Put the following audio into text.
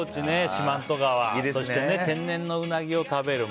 四万十川そして天然のウナギを食べる。